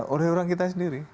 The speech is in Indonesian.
oleh orang kita sendiri